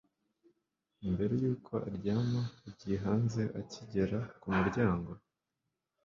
mbere yuko aryama yagiye hanze akigera ku muryango